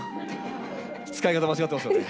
使い方間違ってますよね。